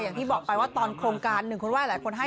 อย่างที่บอกไปว่าตอนโครงการหนึ่งคนไห้หลายคนให้